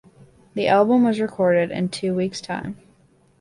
The album was recorded in two weeks' time.